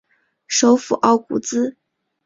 首府奥古兹。